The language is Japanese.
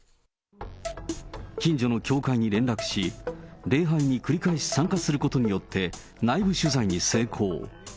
近所の教会に連絡し、礼拝に繰り返し参加することによって、内部取材に成功。